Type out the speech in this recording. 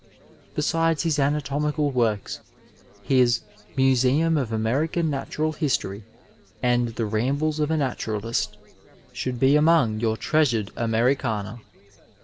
Besides his anatomical works, his Museum of American Natural History and The Rambles of a Naturalist should be among your treasured Americana.